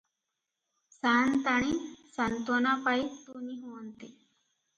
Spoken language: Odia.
ସାଆନ୍ତାଣୀ ସାନ୍ତ୍ୱନାପାଇ ତୁନି ହୁଅନ୍ତି ।